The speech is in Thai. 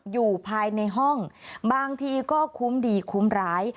อยู่ภายในห้องบางทีก็คุ้มดีคุ้มร้าย